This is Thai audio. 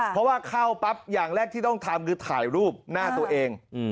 เพราะว่าเข้าปั๊บอย่างแรกที่ต้องทำคือถ่ายรูปหน้าตัวเอง